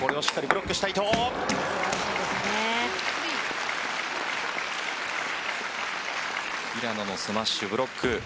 これをしっかりブロックしたい平野のスマッシュ、ブロック。